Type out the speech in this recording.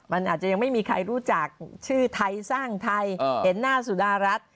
มันอาจจะยังไม่มีใครรู้จักชื่อไทยสร้างไทยเห็นหน้าสุดารัฐ